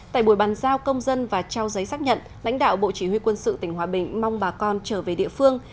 tại buổi bàn giao công dân và trao giấy xác nhận lãnh đạo bộ chỉ huy quân sự tỉnh hòa bình mong bà con trở về địa phương